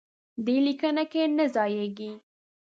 دې لیکنه کې نه ځایېږي.